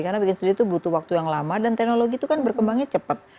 karena bikin sendiri itu butuh waktu yang lama dan teknologi itu kan berkembangnya cepat